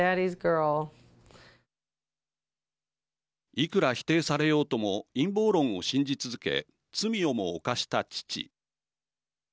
いくら否定されようとも陰謀論を信じ続け罪をも犯した父。